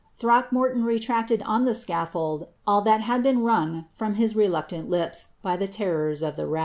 Throckmorton retracted on the scaffold all that had been wrung from his reluctant lips by the terrors of the rack.